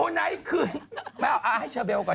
ให้เชอเบลก่อน